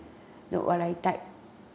笑いたい。